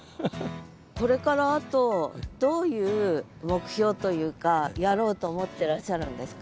これからあとどういう目標というかやろうと思ってらっしゃるんですか？